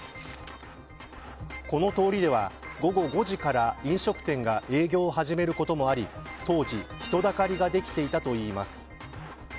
この通りでは午後５時から飲食店が営業を始めることもあり当時、人だかりができていたといいます。